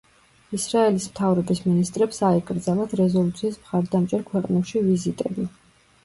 ისრაელის მთავრობის მინისტრებს აეკრძალათ რეზოლუციის მხარდამჭერ ქვეყნებში ვიზიტები.